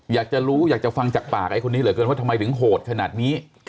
อยากจะรู้อยากจะฟังจากปากไอ้คนนี้เหลือเกินว่าทำไมถึงโหดขนาดนี้